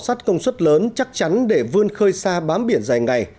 sắt công suất lớn chắc chắn để vươn khơi xa bám biển dài ngày